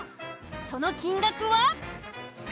その金額は。